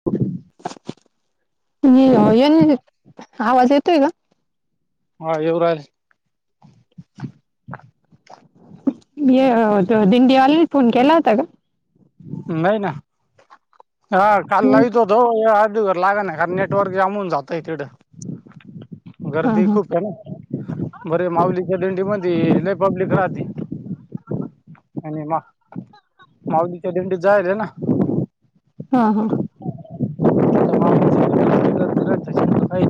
[unintelligible] येन आवाज येतोय का? हा येऊ राहिला. ये हो दिंडडी अल् फोन केला होता का. नाही ना हा काल नाही. लावतोत. दो अर्धी लाग नाही कारण नेटवर्क जामून जातय तिडं हा गर्दी हा खूप आहे ना बरे माऊलीच्या दिंडी मग पब्लिक राहते. आणि मा माऊलीच्या दिंडी जायल आहे ना. हा हा. तर अय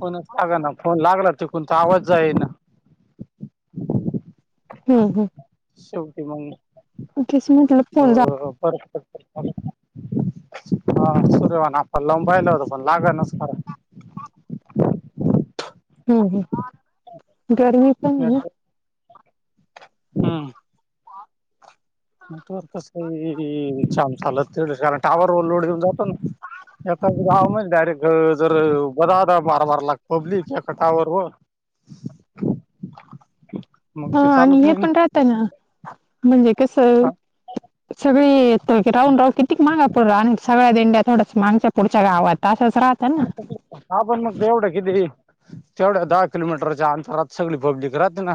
फोनच लागाना फोन लागला तिकूण त आवाज जाई ना हम् हम शेवटी मग तेच म्हटलं अ फोन जा अ परत हा सुर्यवान आप्पाला लावुन पाहीला होता पण लागनाच हम्म ह्म गर्मी पण ये ना- हम नेटवर्क कसही छान चालत ते कारण टावर वर लोड येऊन जातो न याता गाव नाही डायरेक्ट जर बदाादा मार मारलाग पब्लिक या कटावरवर मग हा ते आणि चालत हे नाही पण राहत ना. म्हणजे कस ना सगळे येती राऊंड राऊ कितीक मागा पडला आणि सगळ्या दिंड्या थोड्याच मागच्या पुढच्या गावात तासच राह [unintelligible] हा पण मग तेवढ्या किती तेवढ्या दहा किलोमीटरच्या अंतरात सगळी पब्लिक राहती ना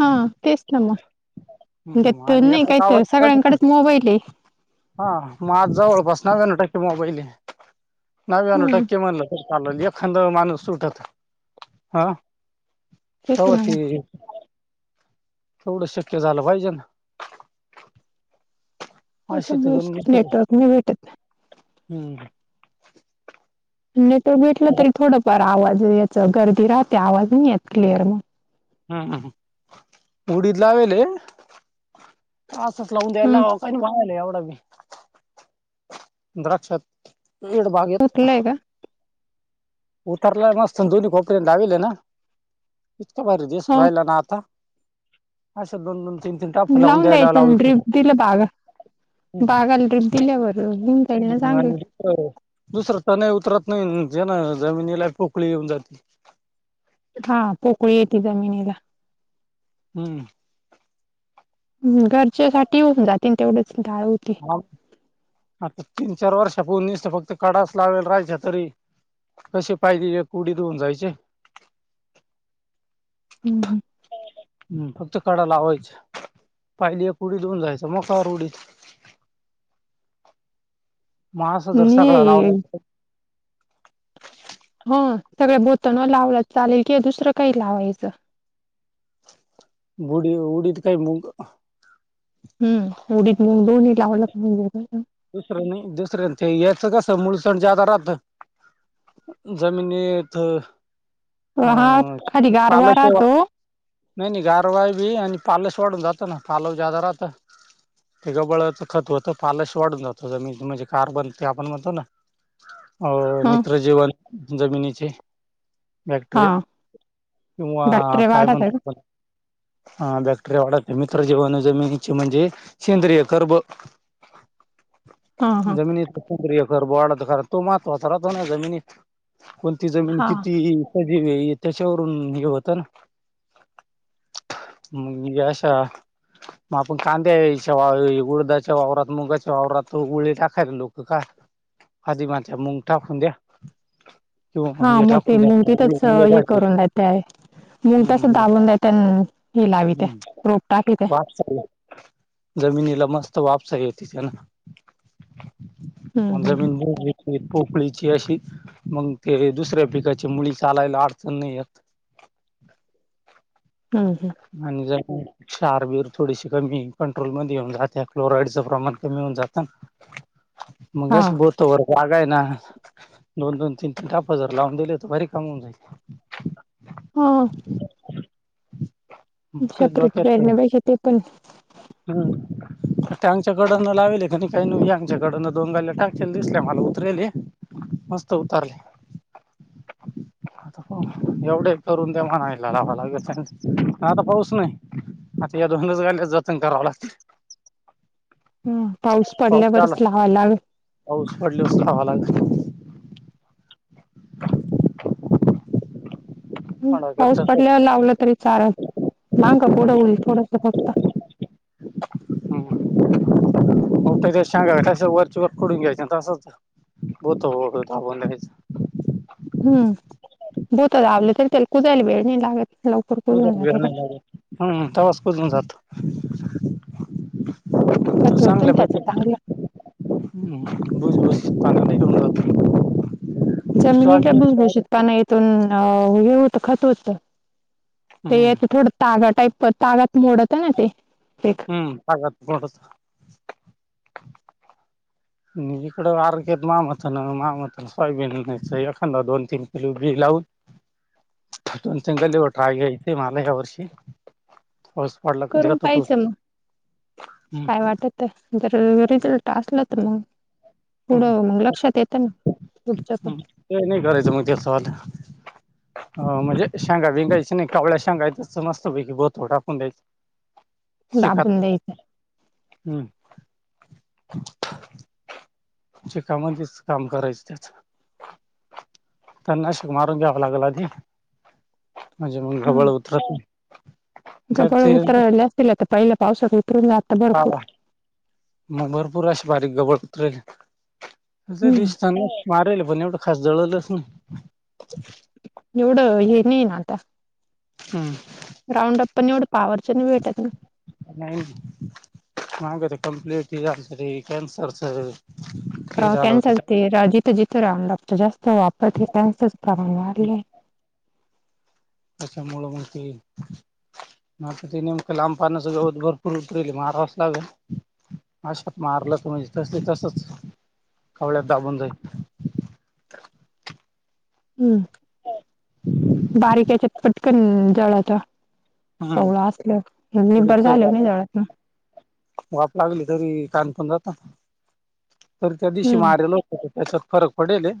हा तेच ना मग हम्म, त्यात आणि नाही एका काहीत गावात सगळ्यांकडच मोबाईल ये हा मग आज जवळपास नव्याण्णव टक्के मोबाईले नव्याण्णव हम्म टक्के म्हणलं चालली एखांद माणूस सुटत हं तेच तव्हा ना मग ते तेवढं शक्य झालं पाहिजे ना अशी तर त्याच्यामुळेच गणित आहे. नेटवर्क नहीं भेटत हम्म नेटवर्क भेटलं तरी थोडंफार आवाज याच गर्दी राहते आवाज नाही येत क्लिअर मग हम्म हम्म उडिद लावेेले असाच लाऊन द्यायला हम्म लाव काही नाही पाहला यावा लागल द्राक्षात इंड बागेत तुटलंय का? उतरलाय नसतो दोन्ही कोपऱ्यात लावेलेना इतका भारी दिसू हो राहिला ना आता अशा दोन दोन तीन तीन टाफ लावून द्यायला द्यायचं ना लावतो ड्रीप दिलं बागा बागाला ट्रीप दिल्या वर [unintelligible] जाईल ना चांगलं दुसर तणय उतरत नाही ज्यानं जमिनीला पोकळी येऊन जाती. हा पोकळी येती जमिनीला हम्म घरची [unintelligible] होऊन जाती तेवढंच डाळ होती. आता तीन चार वर्ष पावून निसत्या फक्त कडाच लावेल राहायच्या तरी कशी पायली एक उडीद होऊन जायचे हम् हम हम्म फक्त कडा लावायच्या पायली एक उडीद होऊन जायच्या मोक्कार उडीद म असा जर सगळा आणि लावला तर [unintelligible] हो सगळ्या बोतणवर लावला त चालेल किंवा दुसरं काही लावायचं बुडी व उडीद काही मुंग हम् उडीद मूंग दोन्ही लावला [unintelligible] दुसरं नाही दुसरे ते यायचं कसं मुूळसण जादा राहतं जमीनीत [unintelligible] हा खाली गारवा पालक राहतो नाही नाही गारवाय बी आणि पालस वाढून जातं ना पालव जादा राहतं ते गबाळचं खत होत पाल. वाढून जातो जमीन म्हणजे कार्बन ते आपण म्हणतो ना आओ हा मित्र जीवन जमीनीचे हा बॅक्टरीया वा बॅक्टेरिया काय वाढत आहे म्हणता का त्याला हा बॅक्टेरिया वाढाते मित्र जीवन जमिनीचे म्हणजे सेंद्रिय कर्ब हा हा जमिनीत [unintelligible] कर्ब वाढतो कारण तो महत्वाचा राहतो ना जमिनीत कोणती जमीन हा किती सजीव ये हे त्याच्यावरून हे होत ना म घ आशा मग आपण कांद्याच्या, गुडदाच्या वावरात, मुगाच्या वावरात गुळी टाकाय लोक का आदी माझ्या मुंग टाकून द्या. किंवा हा हे मोठी टाकून द्या मुंगटीतच हे करून देत मुंगटच हम्म दाबून देतन. हम्म. वापसा जमिनीला मस्त वापसाई दिसणा. हम्म हम्म जमीन [unintelligible] पोकळीची अशी मग ते दुसऱ्या पिकाची मुळी चालायला अडचण नाही येत हम् ह आणि ज [unintelligible] क्षारबीर थोडीशी कमी कंट्रोल मध्ये येऊन जाते. क्लोराइडचं प्रमाण कमी होऊन जातं. [inaudible] मगस बुर. तो वर जागा आहे ना दोन दोन, तीन तीन टाप जर लावून दिले तर बारी काम होऊन जाईल. हो. मग ते सपरेट डोक्यात वरण्या पाहिजे ते पण हम्म. ते आंगच्याकडन लावेले का नाही काही नाही आंगच्याकड दोन गा टाक दिसले मला उतरले मस्त उतारले. [inaudible] एवढे करून दे म्हणायला लावा लागे. आता पाऊस नाही? आता या दोनच गाल्या जतन कराव लाग हम्म. पाऊस आला पडल्यावरच लावा लाग पाऊस पडल्यावर लावा लाग हम्म. पाऊस पडल्यावर लावला तरी चारल मांग पुढं होईल थोडस फक्त. [inaudible] मोठ ते सांगा तसं वरची वर फडून घ्यायचं तसं होत हो हो लईच हम्म. भूत लाबलं तरी त्याला कुदयला वेळ नाही लागत लक कुजायला वेळ नाही लागत. हम्म तवाच कुजून जातो. खत होतं ना त्याचं सांगल्यापैकी चांगलं. [unintelligible] हम्म. भूस भूस पाणी निघून जातं. जमिनीला भूस भुसशीत पाणी हायत. तण होत, खत होत ते हम्म येत थोड तागा टाईप तागात मोडत आहे ना ते. हम्म. तागत मोडत. नी इकड आरगेत मामच ना मामाच सोयाबीन च एकांद दोन, तीन किलो बी लाऊ दोन, तीन केलो ट्रायल म याल या वर्षी ऊस. करून पाहिचं मग काय वाटत जर रिझल्ट असल तर मग पुढं मग लक्षात येतं ना पुढच्या प ते नाही करायच म तेस सवा हो म्हणजे शेंगा बिंगायची नाही कवळ्या शेंगायच मस्तपैकी बोतो टाकून द्यायं [unintelligible] शिकात. द्यायचं हम्म. चिकामध्येच काम करायचं त्याच. तणनाशक मारून घ्यावं लागल आधी म्हणजे मग घबळ उतरत नाही. तर घबळ ते उतरयले असतील आता पहिल्या पावसात उतरून जात. हा. भरपूर मग भरपूर अशी बारीक गवत उतरली. अस हम्म दिसतना मारेल, पण एवढं खास जळलच नाही. एवढं येन, येन आताऽ हम्, राऊंड अप पण एवढं पावरच्या नाही भेटत ना,. नाही हगर कंपलटसर कॅनसर सर कॅनसर ते जिथं जिथं राह लागत जास्त वापरते कनसरच प्रमाण वाढले अा मुळ मु ते म नेमकं लांबपना सग होत भरपूर उतरली मारावंच लाग अशात मारलं तुम तस तसच कवळ्यात दाबून जाई हम्म. बारीकेच्या पटकन जळाचा हम्म कवळ असलं, थोडी निभर झाल नाही जवळात वाफ लागली तरी कानकोण जात, तरी त्या दिवशी हम्म मारलो. त्याच्यात असं फरक पडली.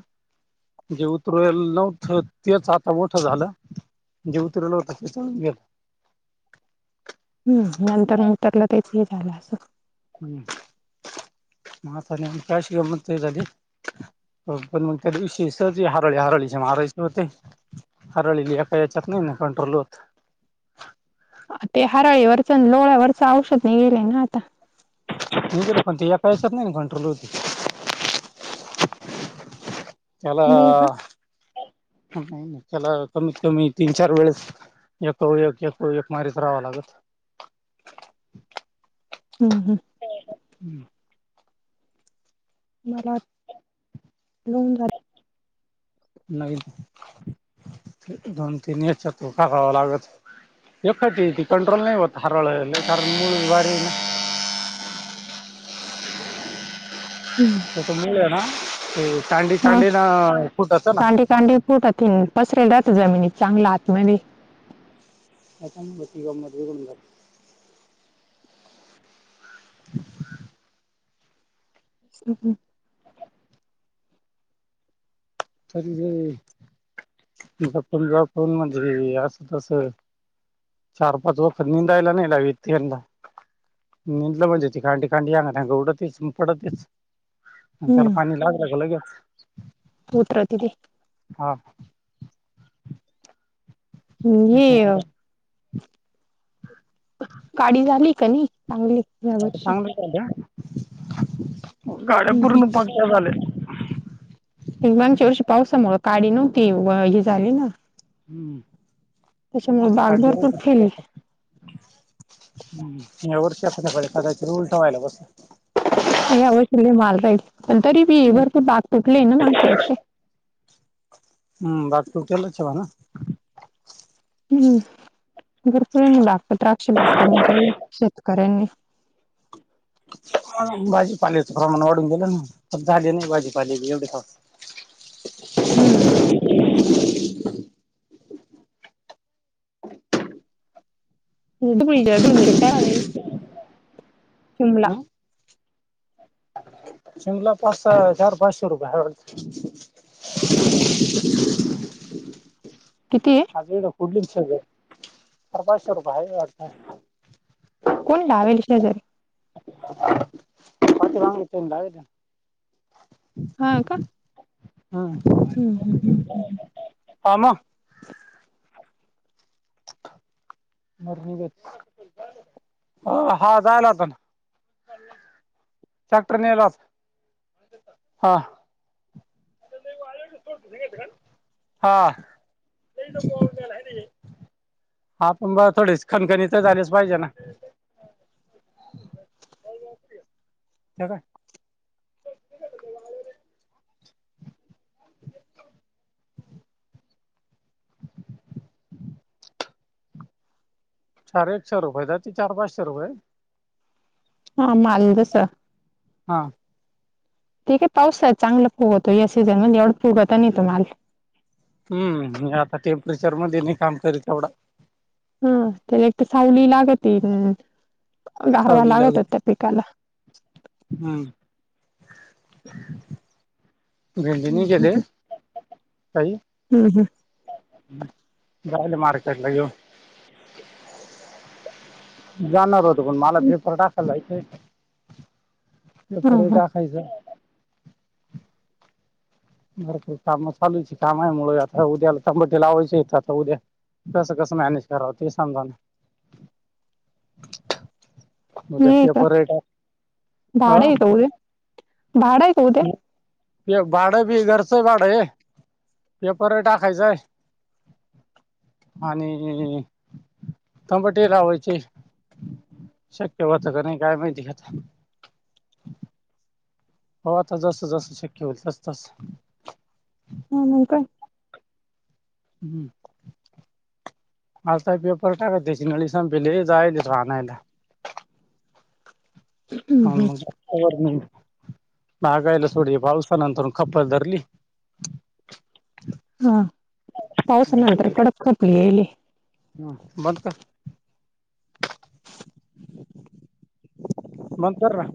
जे उतरल नव्हतं, तेच आता मोठं झालं. जेवतरला होता गलाऽ हम्,,, नंतर मंतरला तेच हे झालं असंलऽ हम्,,, माातान कायशी गमत झालीऽ पण मग त्या दिवशी सी हरळी, हारळी महारायचे होतेऽ हरळली एका याच्यात नाही ना कंट्रोल होत. ते हारळीवरचं न लोहळ्यावरचं औषध नाही गेलंय ना आता. गलं पण या काैसात नाही ना कंट्रोल होतं. त्याला,,, नाही का? ऽत्याला कमीत कमी तीन चार वेळेस एक वर, एक मारीच राहावा लागलऽ हां हां, ते, मला,, लोन झाऽ नाही,, दोन तीन चतुकार करावा लागलऽ एखाटी ती कंट्रोल नाही होत,, हरवळलं कारण मूळ वारी नाहीऽ हम्म, त मुळे ना,, ते चांडी चांडी ना फुटत नाऽ कांडीपूटात पसरला जातं जमिनीत चांगला आतमध्येध्येऽ अां बतीिगाव मध्ये गूनऽ ह हम्, री, पण ज फोन मध्ये असं तसऽ चार पाच व प निंदायला नाही लावित यंदा. निेंदलं म्हणजे ती, खांडी खांडीग गवडतच पडतचऽ त्याला हम्म पाणी लागला ग लगेचऽ होत राहत तेऽ हा, ् हे,, चांगलं काडी झाली का नाही चांगली,,, या वर्षी. गाड्या हम्म हम्म. पूर्ण पक्ष झालेतऽ मागच्या वर्षी पावसामुं काडी नव्हती,, ही झाली नाऽ हम्म, त्याच्यामुळे बाग भरपूर फेरले ह वरच्याज कदाच उलट व्हायला बस अ अवशले मारायच पण तरी बी ए वर ते बाग तुटलेय ना मागच्या वर्ष हम् बा टोटलच ना हम्म घरकुरंनी बाप द्राक्ष बाप कमी केले शेतकऱ्यांनी भाजीपालेचं प्रमाण वाढून गेलं ना झाले नाही भाजीपाले एवढेच हम्म डु ह हं शिंमला पाच सहा,, चार पाचशे रुपये हऽ किती आहे आज गेलेलो कुंडलिक संग आर पाचशे रुपये आहे वाटत. कुणी लावेली शेजारी? [unintelligible] हाय का! हम्म हम्म हम्म हा, हा मग! हा झालं आताना. ट्रॅक्टर ने जा आता. हा हा. आपुन बघ थोडीच खणखणी तर झालीच पाहिजे ना? [unintelligible] चार एकशे रुपय तर जाते चार पाचशे रुपये हा माल तसा हा! ते काय पावसाळ्यात चांगला फुगतो या सीझन मध्ये एवढं फुगत नाही तो माल. हम्म आता टेम्परेचरमध्ये नाही काम करत एवढा. हा त्याला एक तर सावली लागती गारवा सावलीला लागतो हो वगैरे त्या पिकाला. हम्म! भेंडी नाही हम्, गेले हम्म हम्म! जाईल मार्केटला घेऊन. जाणार होतो पण मला पेपर टाकायला जायचंय. हा पेपर हा टाकायचं भरपूर काम चालूची कामा मूळ आता उद्याला तंबटे लावायची हित आता उद्या. कसं कसं मॅनेज कराव ते समजा ना! उद्या होय का पेपर रेट भाड आहे अ का उद्या? भाड आहे का उद्या? ते भाड बी घरच भाड आहे. पेपर टाकायचंय आणि तंबाटे लावायचे. शक्य होतय की नाही काय माहिती आता! पाहू आता जसं जसं शक्य होईल तस तस अजून काय हम्म! आता पेपरटाकत त्याची नळी संपली जयलो आणायला. मग वरण लागायला सोड कपधरली हा पावसा नंतर खपली यायली. हम् बंद कर बंद कर र